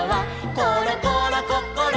「ころころこころ